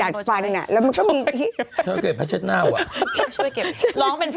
ไม่ช่วงนึงรถเมฆก็จัดฟันจัดฟันติดเหล็กแบบนี้